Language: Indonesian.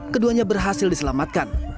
keduanya berhasil diselamatkan